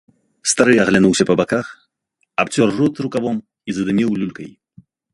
Стары аглянуўся па баках, абцёр рот рукавом і задыміў люлькай.